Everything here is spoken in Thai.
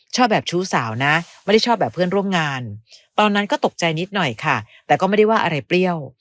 ชอบแบบชู้สาวนะไม่ได้ชอบแบบเพื่อนร่วมงานตอนนั้นก็ตกใจนิดหน่อยค่ะแต่ก็ไม่ได้ว่าอะไรเปรี้ยว